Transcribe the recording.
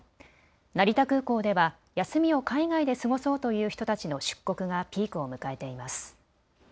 成田空港では休みを海外で過ごそうという人たちの出国がピークを迎えています。